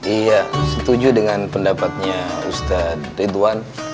iya setuju dengan pendapatnya ustadz ridwan